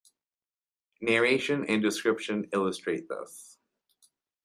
Narration and description illustrate this.